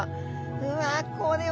うわこれわ！